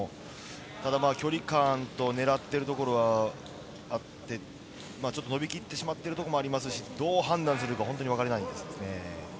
ただ距離感と狙っているところはあって伸びきってしまってるところもありますし、どう判断するかはわからないですね。